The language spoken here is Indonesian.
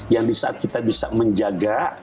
yang disaat kita bisa menjaga